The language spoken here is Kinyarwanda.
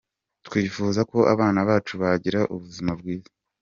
Twifuza ko abana bacu bagira ubuzima bwiza.